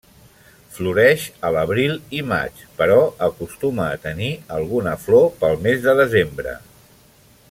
Floreix a l'abril i maig però acostuma a tenir alguna flor pel mes de desembre.